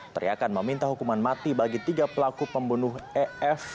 teriakan meminta hukuman mati bagi tiga pelaku pembunuh ef